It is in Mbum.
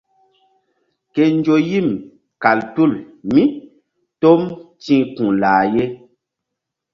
Ke nzo yim kal tul mí tom ti̧h ku̧ lah ye.